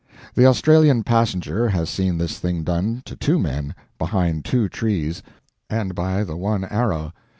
The Australian passenger has seen this thing done to two men, behind two trees and by the one arrow.